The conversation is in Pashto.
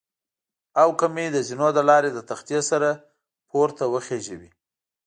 او که مې د زینو له لارې د تختې سره پورته وخېژوي.